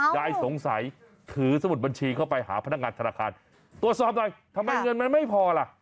ยายสงสัยถือสมุดบัญชีเข้าไปหาพนักงานธนาคารตรวจสอบหน่อยทำไมเงินมันไม่พอล่ะ